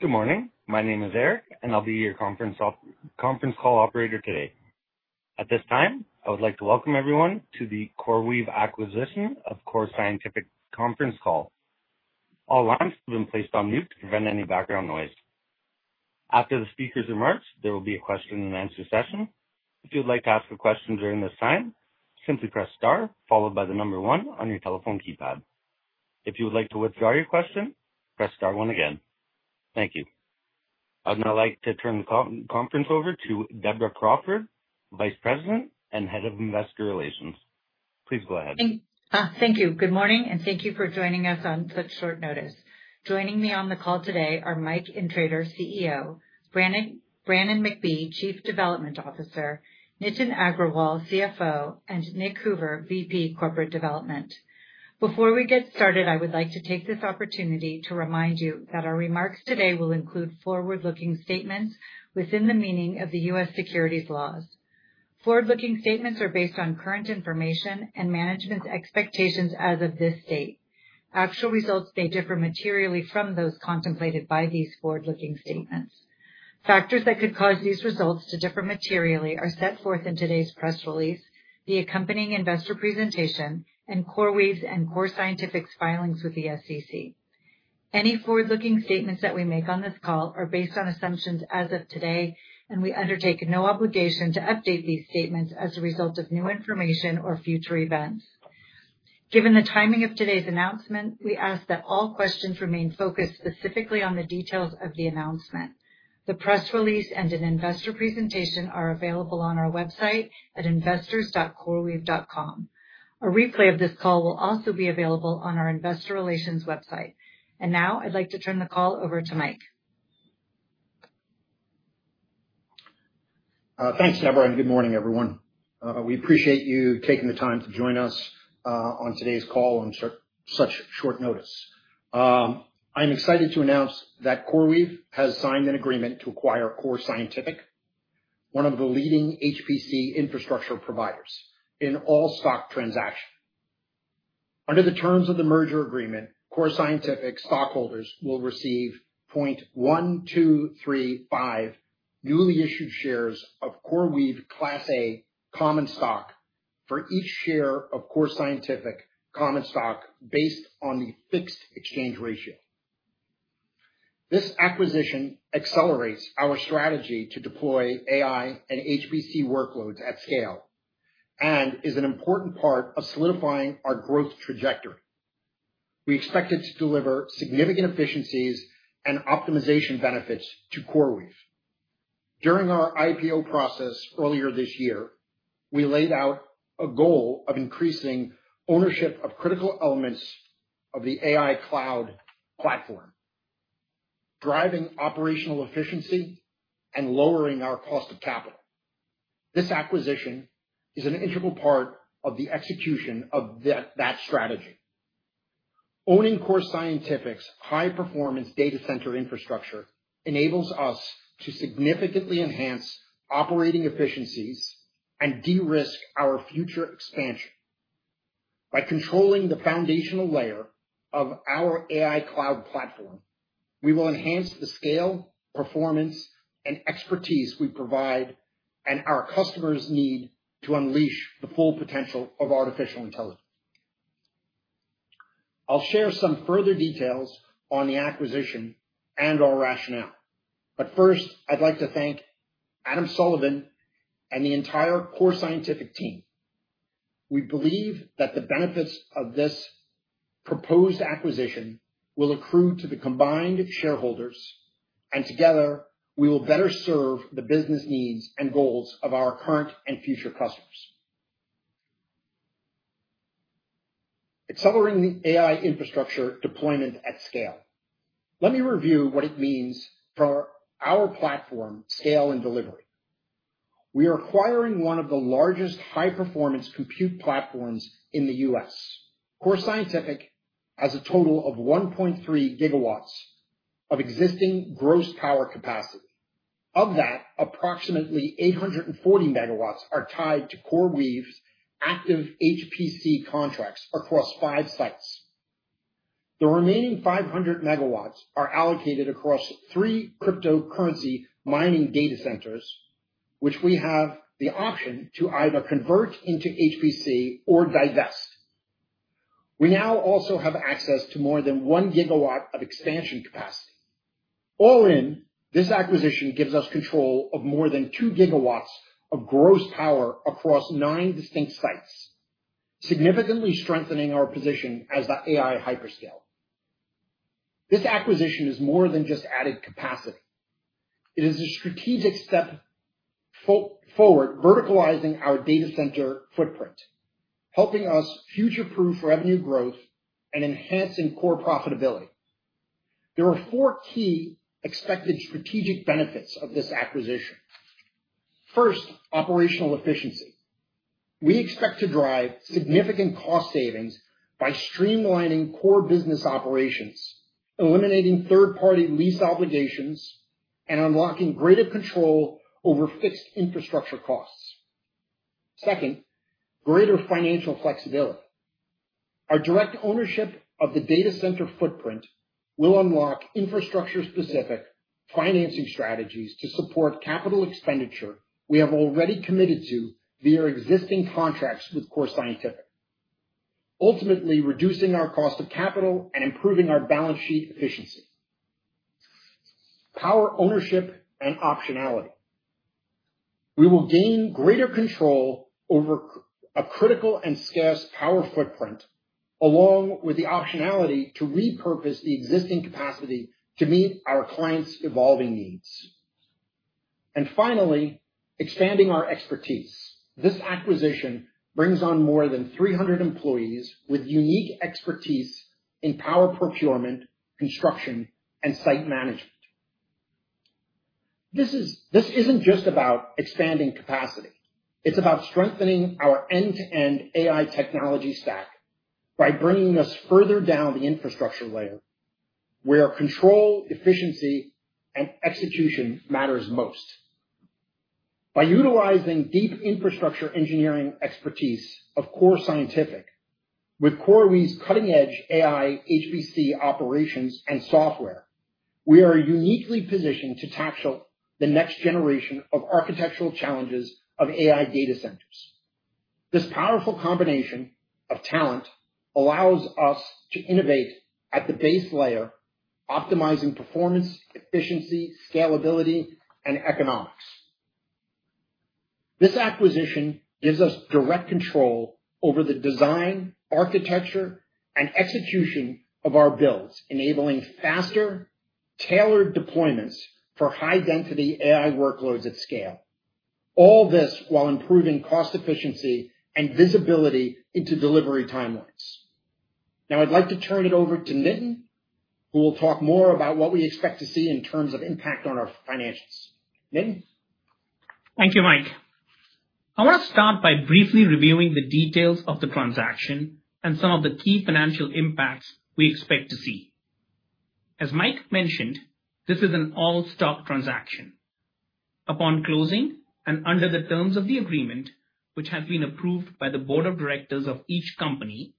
Good morning. My name is Eric, and I'll be your conference call operator today. At this time, I would like to welcome everyone to the CoreWeave Acquisition of Core Scientific conference call. All lines have been placed on mute to prevent any background noise. After the speaker's remarks, there will be a question-and-answer session. If you'd like to ask a question during this time, simply press star, followed by the number one on your telephone keypad. If you would like to withdraw your question, press star one again. Thank you. I would now like to turn the conference over to Deborah Cordero, Vice President and Head of Investor Relations. Please go ahead. Thank you. Good morning, and thank you for joining us on such short notice. Joining me on the call today are Mike Intrator, CEO; Brannin McBee, Chief Development Officer; Nitin Agrawal, CFO; and Nick Hoover, VP, Corporate Development. Before we get started, I would like to take this opportunity to remind you that our remarks today will include forward-looking statements within the meaning of the U.S. securities laws. Forward-looking statements are based on current information and management's expectations as of this date. Actual results may differ materially from those contemplated by these forward-looking statements. Factors that could cause these results to differ materially are set forth in today's press release, the accompanying investor presentation, and CoreWeave's and Core Scientific's filings with the SEC. Any forward-looking statements that we make on this call are based on assumptions as of today, and we undertake no obligation to update these statements as a result of new information or future events. Given the timing of today's announcement, we ask that all questions remain focused specifically on the details of the announcement. The press release and an investor presentation are available on our website at investors.coreweave.com. A replay of this call will also be available on our investor relations website. I would like to turn the call over to Mike. Thanks, Deborah, and good morning, everyone. We appreciate you taking the time to join us on today's call on such short notice. I'm excited to announce that CoreWeave has signed an agreement to acquire Core Scientific, one of the leading HPC infrastructure providers, in an all stock transaction. Under the terms of the merger agreement, Core Scientific stockholders will receive 0.1235 newly issued shares of CoreWeave Class A common stock for each share of Core Scientific common stock based on the fixed exchange ratio. This acquisition accelerates our strategy to deploy AI and HPC workloads at scale and is an important part of solidifying our growth trajectory. We expect it to deliver significant efficiencies and optimization benefits to CoreWeave. During our IPO process earlier this year, we laid out a goal of increasing ownership of critical elements of the AI cloud platform, driving operational efficiency and lowering our cost of capital. This acquisition is an integral part of the execution of that strategy. Owning Core Scientific's high-performance data center infrastructure enables us to significantly enhance operating efficiencies and de-risk our future expansion. By controlling the foundational layer of our AI cloud platform, we will enhance the scale, performance, and expertise we provide and our customers' need to unleash the full potential of artificial intelligence. I'll share some further details on the acquisition and our rationale. First, I'd like to thank Adam Sullivan and the entire Core Scientific team. We believe that the benefits of this proposed acquisition will accrue to the combined shareholders, and together, we will better serve the business needs and goals of our current and future customers. Accelerating the AI infrastructure deployment at scale. Let me review what it means for our platform scale and delivery. We are acquiring one of the largest high-performance compute platforms in the U.S. Core Scientific has a total of 1.3 GW of existing gross power capacity. Of that, approximately 840 MW are tied to CoreWeave's active HPC contracts across five sites. The remaining 500 MW are allocated across three cryptocurrency mining data centers, which we have the option to either convert into HPC or divest. We now also have access to more than 1 GW of expansion capacity. All in, this acquisition gives us control of more than 2 GW of gross power across nine distinct sites, significantly strengthening our position as the AI hyperscale. This acquisition is more than just added capacity. It is a strategic step forward verticalizing our data center footprint, helping us future-proof revenue growth and enhancing core profitability. There are four key expected strategic benefits of this acquisition. First, operational efficiency. We expect to drive significant cost savings by streamlining core business operations, eliminating third-party lease obligations, and unlocking greater control over fixed infrastructure costs. Second, greater financial flexibility. Our direct ownership of the data center footprint will unlock infrastructure-specific financing strategies to support capital expenditure we have already committed to via existing contracts with Core Scientific, ultimately reducing our cost of capital and improving our balance sheet efficiency. Power ownership and optionality. We will gain greater control over a critical and scarce power footprint, along with the optionality to repurpose the existing capacity to meet our clients' evolving needs. Finally, expanding our expertise. This acquisition brings on more than 300 employees with unique expertise in power procurement, construction, and site management. This isn't just about expanding capacity. It's about strengthening our end-to-end AI technology stack by bringing us further down the infrastructure layer where control, efficiency, and execution matters most. By utilizing deep infrastructure engineering expertise of Core Scientific with CoreWeave's cutting-edge AI HPC operations and software, we are uniquely positioned to tackle the next generation of architectural challenges of AI data centers. This powerful combination of talent allows us to innovate at the base layer, optimizing performance, efficiency, scalability, and economics. This acquisition gives us direct control over the design, architecture, and execution of our builds, enabling faster, tailored deployments for high-density AI workloads at scale. All this while improving cost efficiency and visibility into delivery timelines. Now, I'd like to turn it over to Nitin, who will talk more about what we expect to see in terms of impact on our financials. Nitin. Thank you, Mike. I want to start by briefly reviewing the details of the transaction and some of the key financial impacts we expect to see. As Mike mentioned, this is an all-stock transaction. Upon closing and under the terms of the agreement, which has been approved by the board of directors of each company,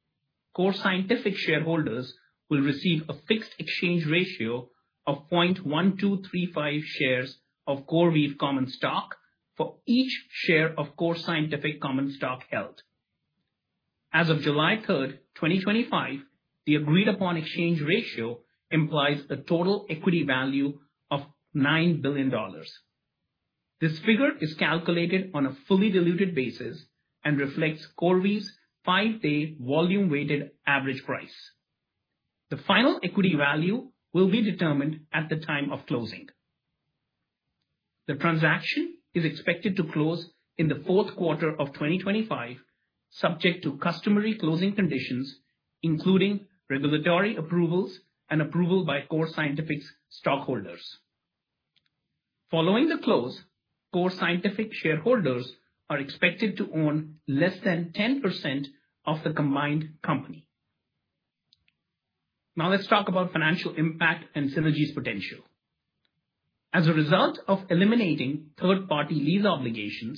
Core Scientific shareholders will receive a fixed exchange ratio of 0.1235 shares of CoreWeave common stock for each share of Core Scientific common stock held. As of July 3rd, 2025, the agreed-upon exchange ratio implies a total equity value of $9 billion. This figure is calculated on a fully diluted basis and reflects CoreWeave's five-day volume-weighted average price. The final equity value will be determined at the time of closing. The transaction is expected to close in the fourth quarter of 2025, subject to customary closing conditions, including regulatory approvals and approval by Core Scientific's stockholders. Following the close, Core Scientific shareholders are expected to own less than 10% of the combined company. Now, let's talk about financial impact and synergies potential. As a result of eliminating third-party lease obligations,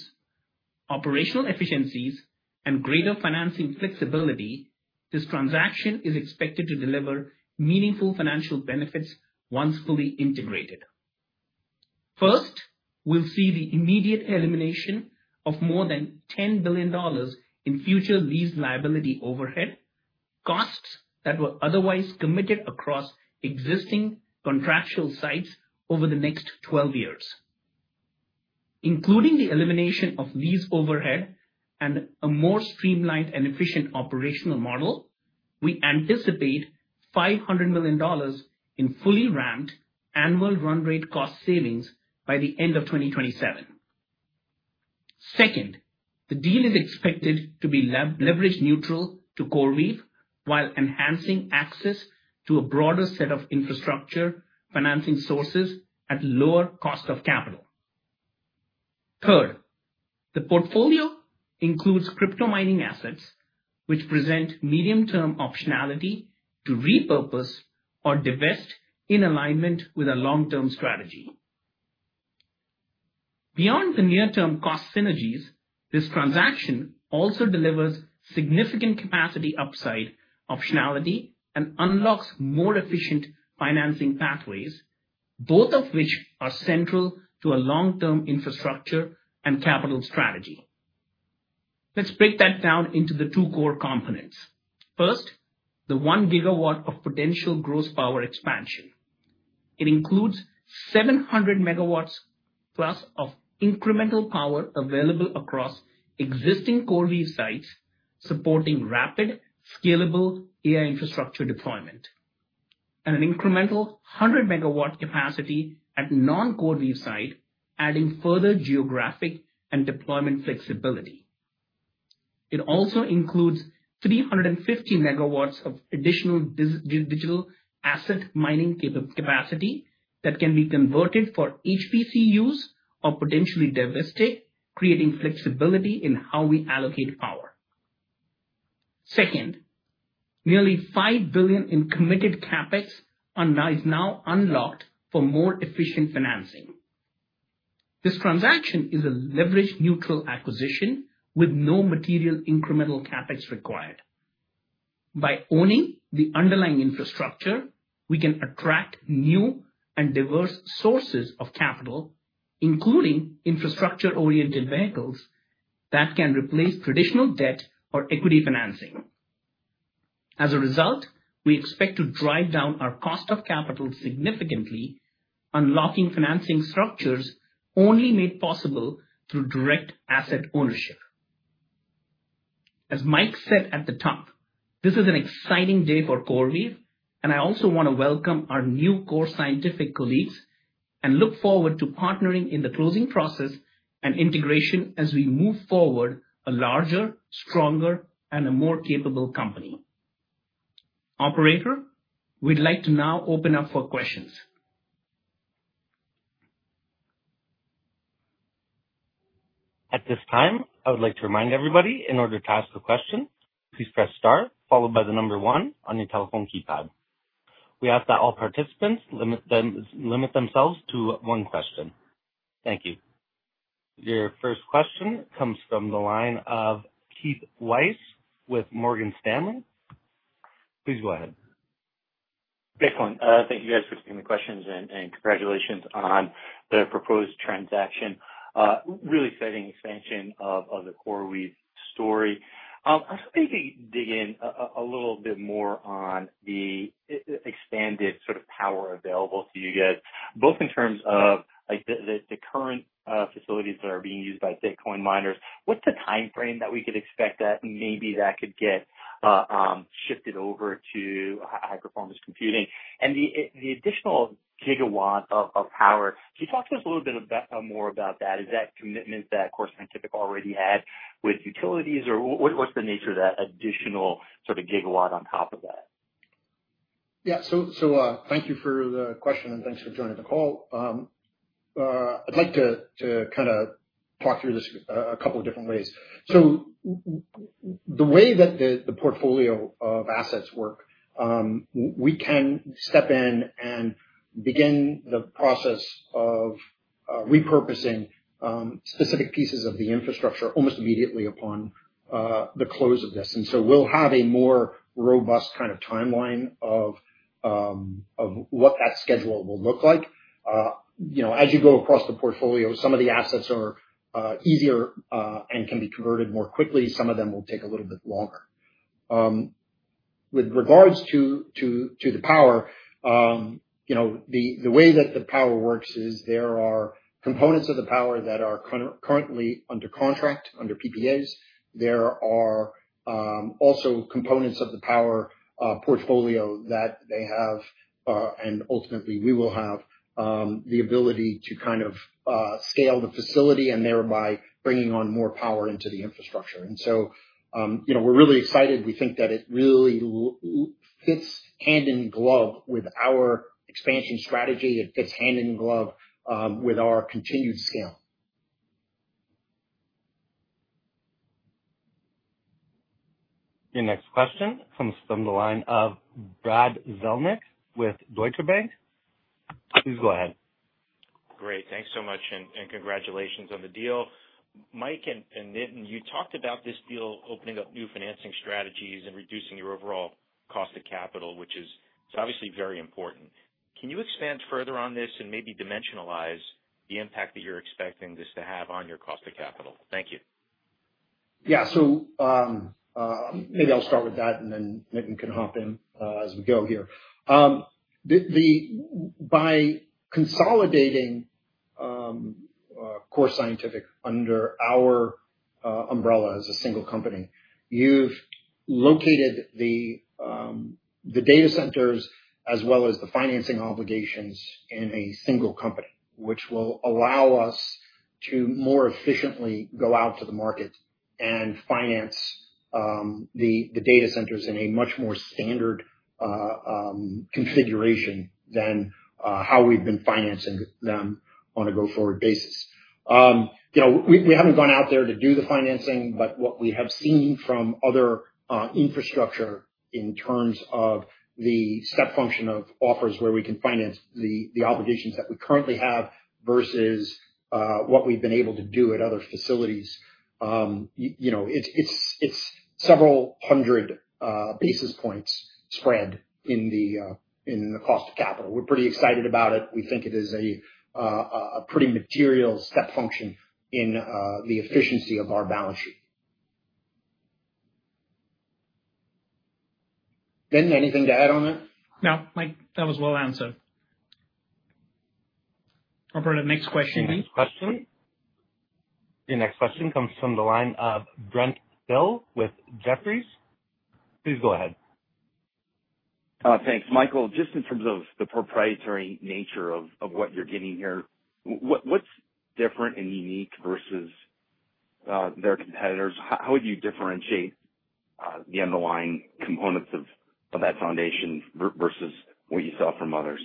operational efficiencies, and greater financing flexibility, this transaction is expected to deliver meaningful financial benefits once fully integrated. First, we'll see the immediate elimination of more than $10 billion in future lease liability overhead, costs that were otherwise committed across existing contractual sites over the next 12 years. Including the elimination of lease overhead and a more streamlined and efficient operational model, we anticipate $500 million in fully ramped annual run rate cost savings by the end of 2027. Second, the deal is expected to be leverage neutral to CoreWeave while enhancing access to a broader set of infrastructure financing sources at lower cost of capital. Third, the portfolio includes crypto mining assets, which present medium-term optionality to repurpose or divest in alignment with a long-term strategy. Beyond the near-term cost synergies, this transaction also delivers significant capacity upside optionality and unlocks more efficient financing pathways, both of which are central to a long-term infrastructure and capital strategy. Let's break that down into the two core components. First, the one GW of potential gross power expansion. It includes 700 MW plus of incremental power available across existing CoreWeave sites supporting rapid, scalable AI infrastructure deployment, and an incremental 100 MW capacity at non-CoreWeave site, adding further geographic and deployment flexibility. It also includes 350 MW of additional digital asset mining capacity that can be converted for HPC use or potentially divested, creating flexibility in how we allocate power. Second, nearly $5 billion in committed CapEx is now unlocked for more efficient financing. This transaction is a leverage neutral acquisition with no material incremental CapEx required. By owning the underlying infrastructure, we can attract new and diverse sources of capital, including infrastructure-oriented vehicles that can replace traditional debt or equity financing. As a result, we expect to drive down our cost of capital significantly, unlocking financing structures only made possible through direct asset ownership. As Mike said at the top, this is an exciting day for CoreWeave, and I also want to welcome our new Core Scientific colleagues and look forward to partnering in the closing process and integration as we move forward a larger, stronger, and a more capable company. Operator, we'd like to now open up for questions. At this time, I would like to remind everybody, in order to ask a question, please press star, followed by the number one on your telephone keypad. We ask that all participants limit themselves to one question. Thank you. Your first question comes from the line of Keith Weiss with Morgan Stanley. Please go ahead. Excellent. Thank you, guys, for taking the questions and congratulations on the proposed transaction. Really exciting expansion of the CoreWeave story. I was hoping to dig in a little bit more on the expanded sort of power available to you guys, both in terms of the current facilities that are being used by Bitcoin miners. What's the time frame that we could expect that maybe that could get shifted over to high-performance computing? And the additional GW of power, can you talk to us a little bit more about that? Is that commitment that Core Scientific already had with utilities, or what's the nature of that additional sort of GW on top of that? Yeah. Thank you for the question, and thanks for joining the call. I'd like to kind of talk through this a couple of different ways. The way that the portfolio of assets work, we can step in and begin the process of repurposing specific pieces of the infrastructure almost immediately upon the close of this. We'll have a more robust kind of timeline of what that schedule will look like. As you go across the portfolio, some of the assets are easier and can be converted more quickly. Some of them will take a little bit longer. With regards to the power, the way that the power works is there are components of the power that are currently under contract, under PPAs. There are also components of the power portfolio that they have, and ultimately, we will have the ability to kind of scale the facility and thereby bringing on more power into the infrastructure. We are really excited. We think that it really fits hand in glove with our expansion strategy. It fits hand in glove with our continued scale. Your next question comes from the line of Brad Zelnick with Deutsche Bank. Please go ahead. Great. Thanks so much, and congratulations on the deal. Mike and Nitin, you talked about this deal opening up new financing strategies and reducing your overall cost of capital, which is obviously very important. Can you expand further on this and maybe dimensionalize the impact that you're expecting this to have on your cost of capital? Thank you. Yeah. Maybe I'll start with that, and then Nitin can hop in as we go here. By consolidating Core Scientific under our umbrella as a single company, you've located the data centers as well as the financing obligations in a single company, which will allow us to more efficiently go out to the market and finance the data centers in a much more standard configuration than how we've been financing them on a go-forward basis. We haven't gone out there to do the financing, but what we have seen from other infrastructure in terms of the step function of offers where we can finance the obligations that we currently have versus what we've been able to do at other facilities, it's several hundred basis points spread in the cost of capital. We're pretty excited about it. We think it is a pretty material step function in the efficiency of our balance sheet. Nitin, anything to add on that? No. Mike, that was well answered. Over to the next question. Thank you. Your next question comes from the line of Brent Thill with Jefferies. Please go ahead. Thanks, Michael. Just in terms of the proprietary nature of what you're getting here, what's different and unique versus their competitors? How would you differentiate the underlying components of that foundation versus what you saw from others?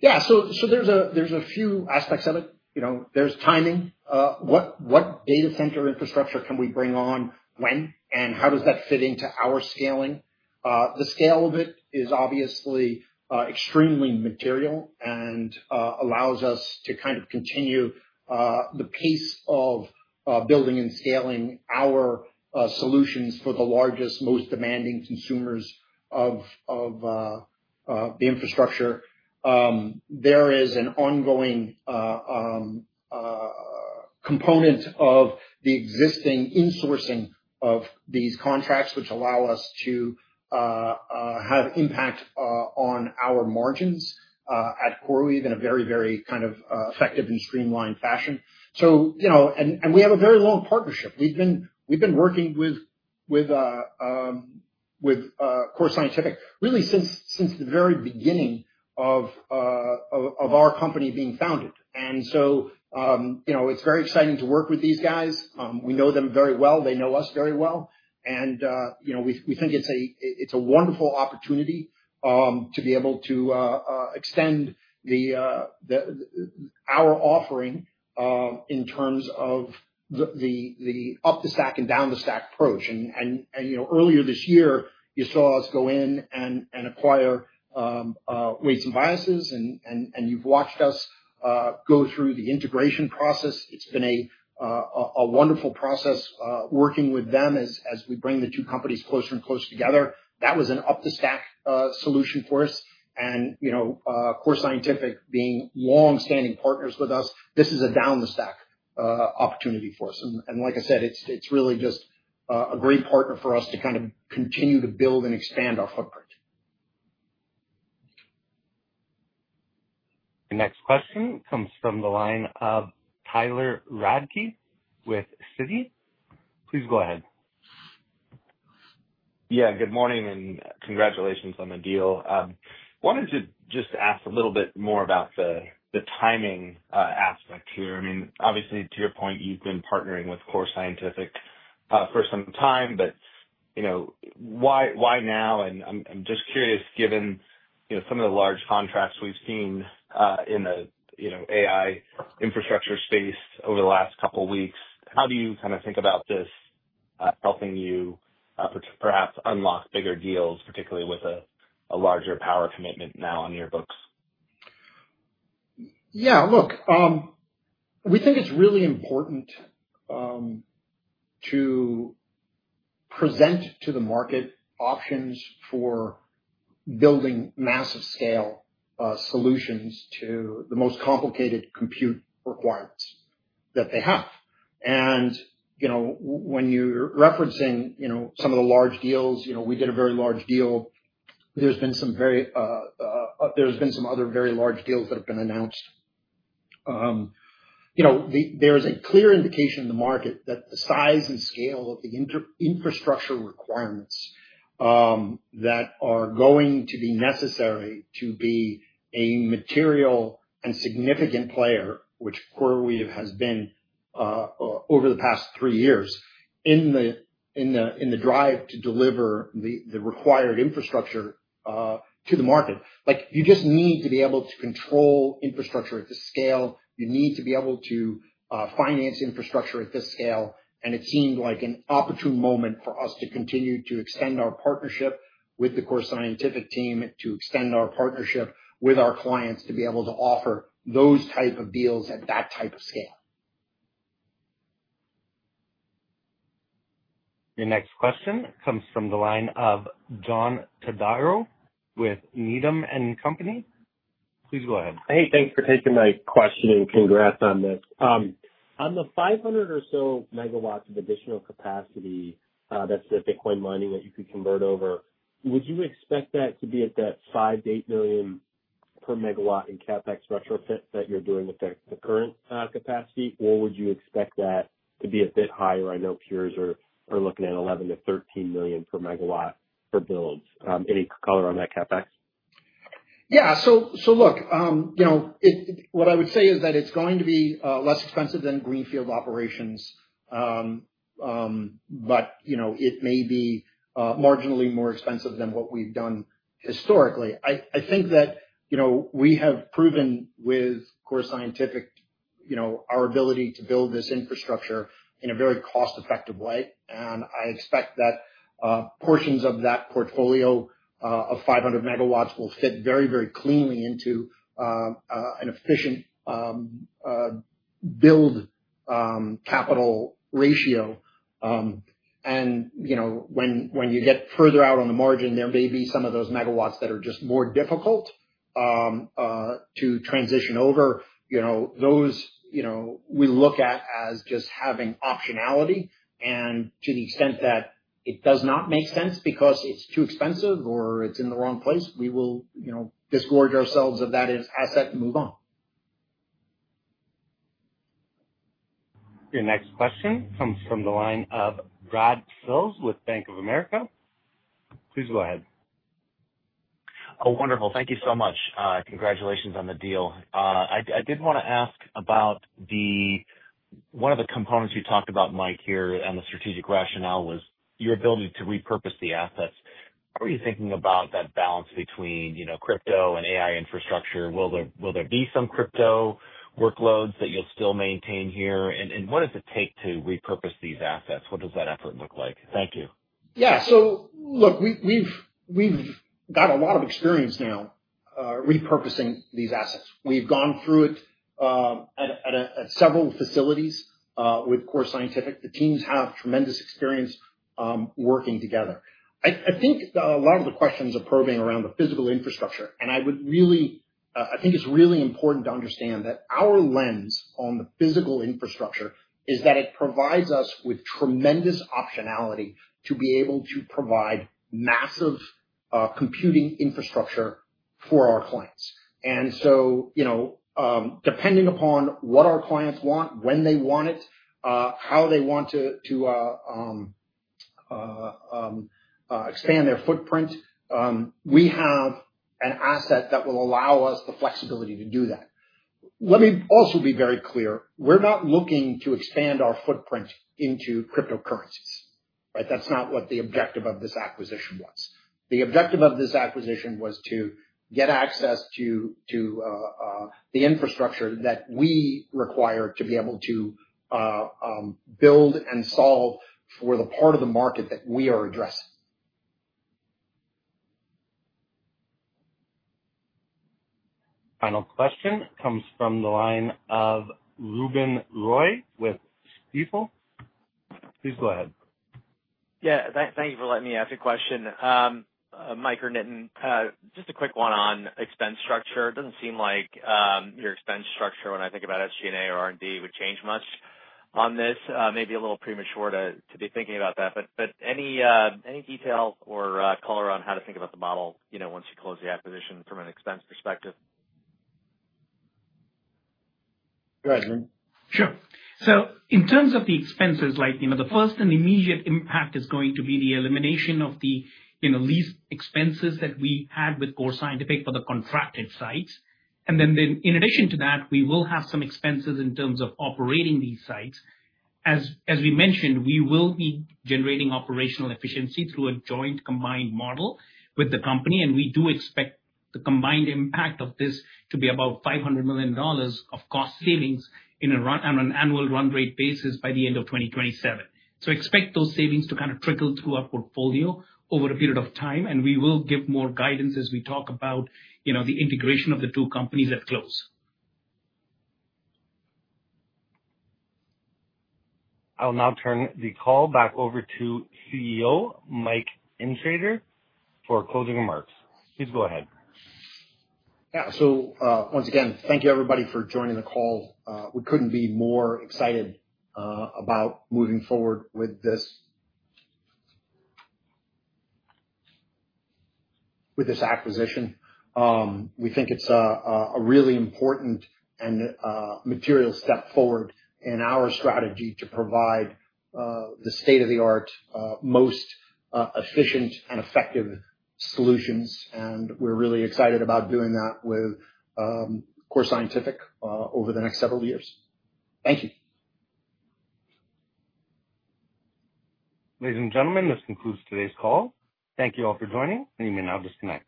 Yeah. There are a few aspects of it. There is timing. What data center infrastructure can we bring on when, and how does that fit into our scaling? The scale of it is obviously extremely material and allows us to kind of continue the pace of building and scaling our solutions for the largest, most demanding consumers of the infrastructure. There is an ongoing component of the existing insourcing of these contracts, which allow us to have impact on our margins at CoreWeave in a very, very kind of effective and streamlined fashion. We have a very long partnership. We have been working with Core Scientific really since the very beginning of our company being founded. It is very exciting to work with these guys. We know them very well. They know us very well. We think it's a wonderful opportunity to be able to extend our offering in terms of the up-the-stack and down-the-stack approach. Earlier this year, you saw us go in and acquire Weights & Biases, and you've watched us go through the integration process. It's been a wonderful process working with them as we bring the two companies closer and closer together. That was an up-the-stack solution for us. Core Scientific, being long-standing partners with us, this is a down-the-stack opportunity for us. Like I said, it's really just a great partner for us to kind of continue to build and expand our footprint. Your next question comes from the line of Tyler Radke with Citi. Please go ahead. Yeah. Good morning, and congratulations on the deal. I wanted to just ask a little bit more about the timing aspect here. I mean, obviously, to your point, you've been partnering with Core Scientific for some time, but why now? I'm just curious, given some of the large contracts we've seen in the AI infrastructure space over the last couple of weeks, how do you kind of think about this helping you perhaps unlock bigger deals, particularly with a larger power commitment now on your books? Yeah. Look, we think it's really important to present to the market options for building massive-scale solutions to the most complicated compute requirements that they have. When you're referencing some of the large deals, we did a very large deal. There have been some other very large deals that have been announced. There is a clear indication in the market that the size and scale of the infrastructure requirements that are going to be necessary to be a material and significant player, which CoreWeave has been over the past three years, in the drive to deliver the required infrastructure to the market. You just need to be able to control infrastructure at this scale. You need to be able to finance infrastructure at this scale. It seemed like an opportune moment for us to continue to extend our partnership with the Core Scientific team, to extend our partnership with our clients, to be able to offer those type of deals at that type of scale. Your next question comes from the line of John Cordero with Needham & Company. Please go ahead. Hey, thanks for taking my question and congrats on this. On the 500 or so MW of additional capacity that's the Bitcoin mining that you could convert over, would you expect that to be at that $5 million-$8 million per MW in CapEx retrofit that you're doing with the current capacity, or would you expect that to be a bit higher? I know peers are looking at $11 million-$13 million per MW for builds. Any color on that CapEx? Yeah. Look, what I would say is that it's going to be less expensive than greenfield operations, but it may be marginally more expensive than what we've done historically. I think that we have proven with Core Scientific our ability to build this infrastructure in a very cost-effective way. I expect that portions of that portfolio of 500 MW will fit very, very cleanly into an efficient build capital ratio. When you get further out on the margin, there may be some of those MW that are just more difficult to transition over. Those we look at as just having optionality. To the extent that it does not make sense because it's too expensive or it's in the wrong place, we will disgorge ourselves of that asset and move on. Your next question comes from the line of Brad Sills with Bank of America. Please go ahead. Oh, wonderful. Thank you so much. Congratulations on the deal. I did want to ask about one of the components you talked about, Mike, here, and the strategic rationale was your ability to repurpose the assets. How are you thinking about that balance between crypto and AI infrastructure? Will there be some crypto workloads that you'll still maintain here? What does it take to repurpose these assets? What does that effort look like? Thank you. Yeah. Look, we've got a lot of experience now repurposing these assets. We've gone through it at several facilities with Core Scientific. The teams have tremendous experience working together. I think a lot of the questions are probing around the physical infrastructure. I think it's really important to understand that our lens on the physical infrastructure is that it provides us with tremendous optionality to be able to provide massive computing infrastructure for our clients. Depending upon what our clients want, when they want it, how they want to expand their footprint, we have an asset that will allow us the flexibility to do that. Let me also be very clear. We're not looking to expand our footprint into cryptocurrencies, right? That's not what the objective of this acquisition was. The objective of this acquisition was to get access to the infrastructure that we require to be able to build and solve for the part of the market that we are addressing. Final question comes from the line of Ruben Roy with Stifel. Please go ahead. Yeah. Thank you for letting me ask a question, Mike or Nitin. Just a quick one on expense structure. It doesn't seem like your expense structure, when I think about SG&A or R&D, would change much on this. Maybe a little premature to be thinking about that. Any detail or color on how to think about the model once you close the acquisition from an expense perspective? Go ahead, Nitin. Sure. In terms of the expenses, the first and immediate impact is going to be the elimination of the lease expenses that we had with Core Scientific for the contracted sites. In addition to that, we will have some expenses in terms of operating these sites. As we mentioned, we will be generating operational efficiency through a joint combined model with the company. We do expect the combined impact of this to be about $500 million of cost savings on an annual run rate basis by the end of 2027. Expect those savings to kind of trickle through our portfolio over a period of time. We will give more guidance as we talk about the integration of the two companies at close. I'll now turn the call back over to CEO Mike Intrator for closing remarks. Please go ahead. Yeah. Once again, thank you, everybody, for joining the call. We couldn't be more excited about moving forward with this acquisition. We think it's a really important and material step forward in our strategy to provide the state-of-the-art, most efficient, and effective solutions. We're really excited about doing that with Core Scientific over the next several years. Thank you. Ladies and gentlemen, this concludes today's call. Thank you all for joining. You may now disconnect.